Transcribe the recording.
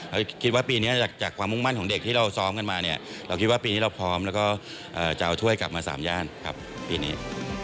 คิดว่าปีนี้จากความมุ่งมั่นของเด็กที่เราซ้อมกันมาเนี่ยเราคิดว่าปีนี้เราพร้อมแล้วก็จะเอาถ้วยกลับมา๓ย่านครับปีนี้